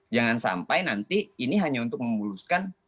jangan sampai nanti ini hanya untuk memuluskan